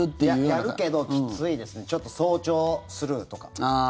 やるけど、きついですねちょっと、早朝スルーとか。